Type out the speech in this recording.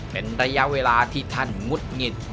เป็นระยะเวลาที่ท่านงุดหงิด